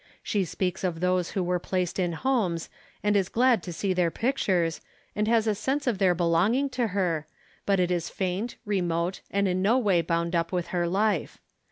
She speaks of those who were placed in homes and is glad to see their pictures, and has a sense of their belonging to her, but it is faint, remote, and in no way bound up with her life.